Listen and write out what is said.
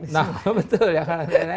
makanan enak enak ini semua